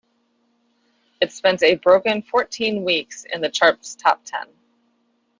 It spent a broken fourteen weeks in the chart's top ten.